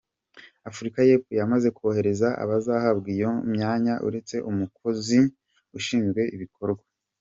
Afurika y’Epfo yamaze kohereza abazahabwa iyo myanya uretse umukozi ushinzwe ibikorwa.